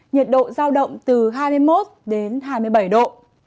nhiệt độ giao động từ hai mươi một đến hai mươi bảy độ